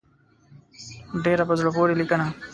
ډېره په زړه پورې لیکنه.